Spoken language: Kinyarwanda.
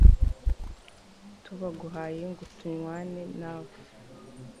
tubaguhaye ngo tunywane nawe